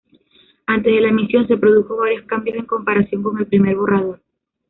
Antes de la emisión se produjo varios cambios en comparación con el primer borrador.